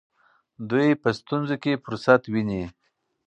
دوی په ستونزو کې فرصت ویني.